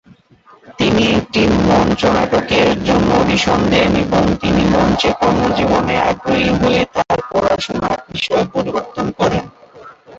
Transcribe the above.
তিনি একটি মঞ্চনাটকের জন্য অডিশন দেন এবং তিনি মঞ্চে কর্মজীবনে আগ্রহী হয়ে তার পড়াশোনার বিষয় পরিবর্তন করেন।